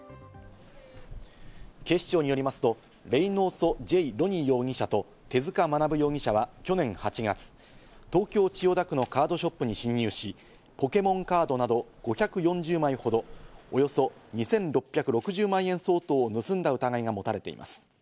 警視庁によりますと、レイノーソ・ジェイ・ロニー容疑者と手塚学容疑者は去年８月、東京・千代田区のカードショップに侵入し、ポケモンカードなど５４０枚ほど、およそ２６６０万円相当を盗んだ疑いが持たれています。